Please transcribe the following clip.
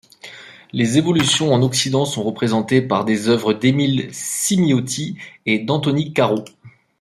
Les évolutions en Occident sont représentées par des œuvres d’Emil Cimiotti et d’Anthony Caro.